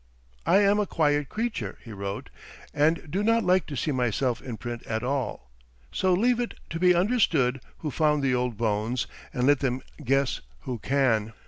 "I am a quiet creature," he wrote, "and do not like to see myself in print at all. So leave it to be understood who found the old bones, and let them guess who can."